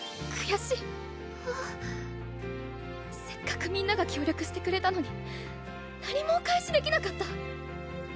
せっかくみんなが協力してくれたのに何もお返しできなかった。